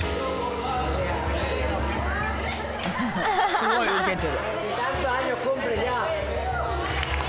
すごいウケてる。